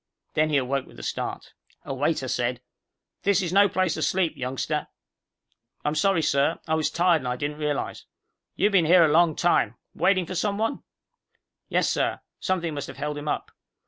Then he awoke with a start. A waiter said, "This is no place to sleep, youngster." "I'm sorry, sir. I was tired and I didn't realize." "You been here for a long time. Waiting for someone?" "Yes, sir. Something must have held him up."